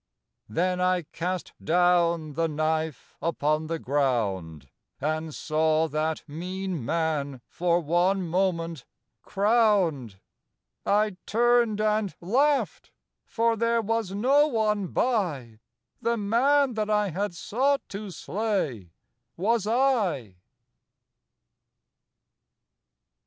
Then I cast down the knife upon the ground And saw that mean man for one moment crowned. I turned and laughed: for there was no one by The man that I had sought to slay was I.